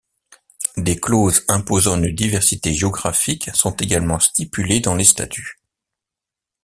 Des clauses imposant une diversité géographique sont également stipulés dans les statuts.